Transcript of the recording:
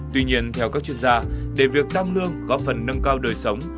tuy nhiên theo các chuyên gia để việc tăng lương góp phần nâng cao đời sống